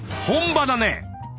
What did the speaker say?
本場だね！